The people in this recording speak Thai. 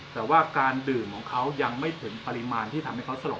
แต่ว่าการดื่มของเขายังไม่ถึงปริมาณที่ทำให้เขาสลบ